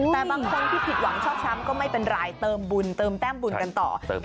แต่บางคนที่ผิดหวังชอบช้ำก็ไม่เป็นไรเติมบุญเติมแต้มบุญกันต่อ